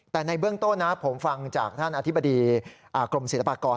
แต่ในเบื้องต้นนะผมฟังจากท่านอธิบดีกรมศิลปากร